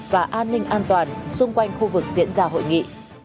và an ninh an toàn xung quanh khu vực diễn ra hội nghị